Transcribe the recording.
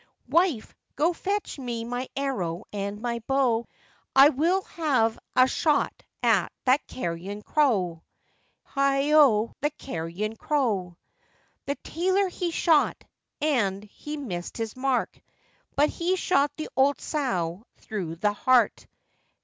'Wife, go fetch me my arrow and my bow, I'll have a shot at that carrion crow.' Heigho! the carrion crow. The tailor he shot, and he missed his mark, But he shot the old sow through the heart.